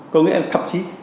có nghĩa là thậm chí